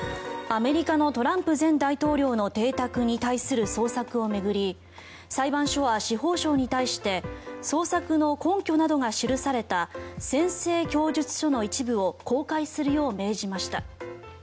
アメリカのトランプ前大統領の邸宅に対する捜索を巡り裁判所は司法省に対して捜索の根拠などが記された宣誓供述書の一部を公開するよう命じました。